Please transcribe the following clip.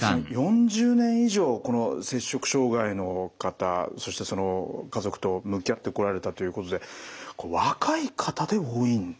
４０年以上この摂食障害の方そしてその家族と向き合ってこられたということで若い方で多いんですか？